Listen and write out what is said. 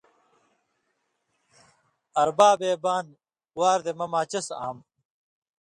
اربابے بانیۡ واردےمہ ماچس آم